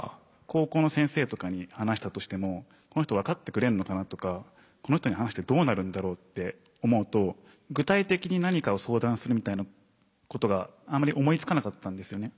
高校の先生とかに話したとしてもこの人分かってくれんのかなとかこの人に話してどうなるんだろうって思うと具体的に何かを相談するみたいなことがあまり思いつかなかったんですよね。